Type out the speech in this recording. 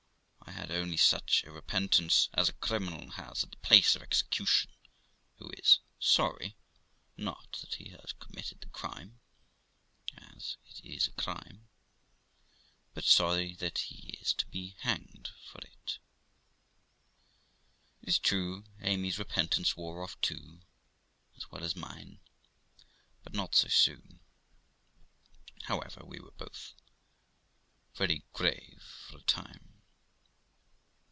I had only such a repentance as a criminal has at the place of execution, who is sorry, not that he has com mitted the crime, as it is a crime, but sorry that he is to be hanged for it. It is true Amy's repentance wore off too, as well as mine, but not so soon. However, we were both very grave for a time.